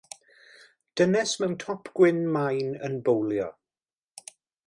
Dynes mewn top gwyn main yn bowlio.